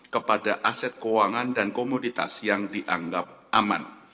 kepada aset keuangan dan komoditas yang dianggap aman